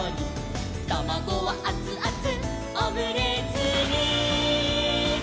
「たまごはあつあつオムレツに」